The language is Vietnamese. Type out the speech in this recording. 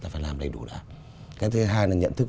là phải làm đầy đủ đã cái thứ hai là nhận thức